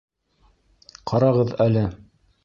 Ҡарағыҙ әле.